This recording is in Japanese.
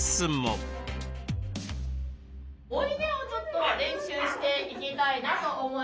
「おいで」をちょっと練習していきたいなと思いますね。